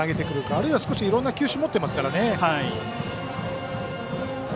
あるいは、いろんな球種を持っていますからね。